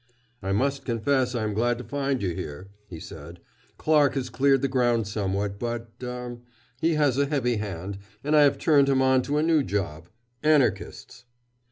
"I must confess I am glad to find you here," he said. "Clarke has cleared the ground somewhat, but er he has a heavy hand, and I have turned him on to a new job Anarchists."